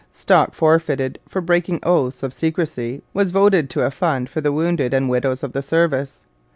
Stock forfeited for breaking oaths of secrecy was voted to a fund for the wounded and widows of the service.